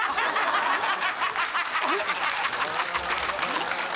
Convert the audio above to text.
ハハハ！